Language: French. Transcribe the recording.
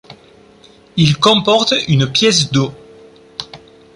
Il comporte une pièce d'eau.